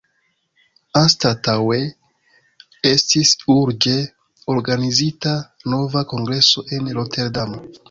Anstataŭe estis urĝe organizita nova kongreso en Roterdamo.